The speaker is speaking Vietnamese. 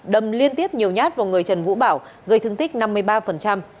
đâm liên tiếp nhiều nhát vào người trần vũ bảo gây thương tích năm mươi ba